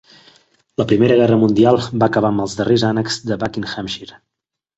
La Primera Guerra Mundial va acabar amb els darrers ànecs de Buckinghamshire.